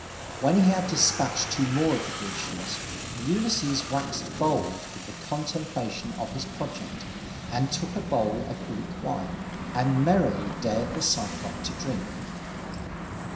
When he had despatched two more of the Grecians, Ulysses waxed bold with the contemplation of his project, and took a bowl of Greek wine, and merrily dared the Cyclop to drink.